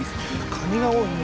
カニが多いね。